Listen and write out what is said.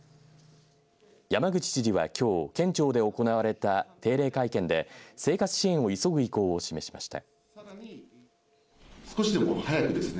山口知事は、きょう県庁で行われた定例会見で生活支援を急ぐ意向を示しました。